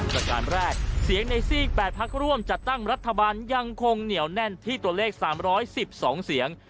ประการแรกเสียงในซีก๘พักร่วมจัดตั้งรัฐบาลยังคงเหนียวแน่นที่ตัวเลข๓๑๒เสียง